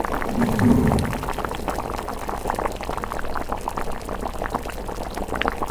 Ellos no pueden vivir sin nosotros y nosotros sin ellos.